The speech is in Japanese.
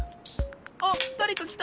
あっだれかきた。